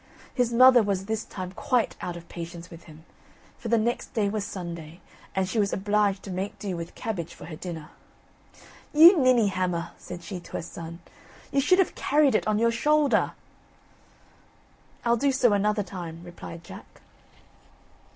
His mother was this time quite out of patience with him, for the next day was Sunday, and she was obliged to make do with cabbage for her dinner. "You ninney hammer," said she to her son; "you should have carried it on your shoulder." "I'll do so another time," replied Jack.